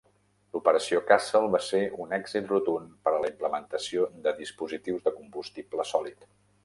L'operació Castle va ser un èxit rotund per a la implementació de dispositius de combustible sòlid.